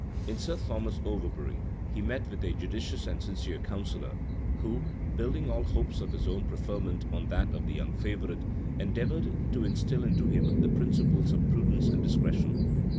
In Sir Thomas Overbury he met with a judicious and sincere counsellor; who, building all hopes of his own preferment on that of the young favorite, endeavored to instil into him the principles of prudence and discretion.